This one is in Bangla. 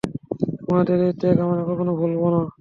তোমাদের এই ত্যাগ আমরা কখনও ভুলব না।